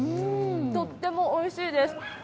とってもおいしいです。